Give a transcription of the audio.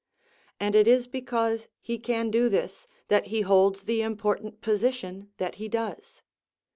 And it is because he can do this that he holds the important position that he does.